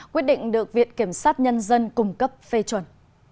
quyết định được viện kiểm sát nhân dân cung cấp phê chuẩn